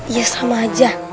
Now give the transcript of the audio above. iya sama aja